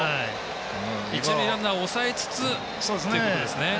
一塁ランナーを抑えつつということですね。